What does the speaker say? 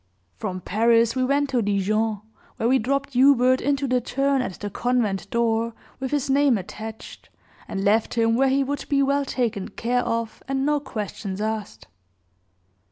"From Paris we went to Dijon, where we dropped Hubert into the turn at the convent door, with his name attached, and left him where he would be well taken care of, and no questions asked.